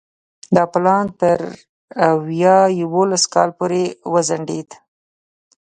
دا پلان تر ویا یوولس کال پورې وځنډېد.